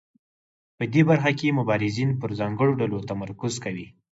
په دې برخه کې مبارزین پر ځانګړو ډلو تمرکز کوي.